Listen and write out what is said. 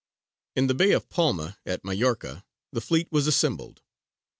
In the bay of Palma, at Majorca, the fleet was assembled.